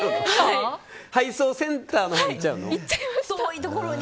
配送センターのほうに行っちゃうの。